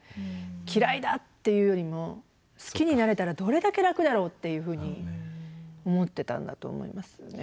嫌いだっていうよりも好きになれたらどれだけ楽だろうっていうふうに思ってたんだと思いますね。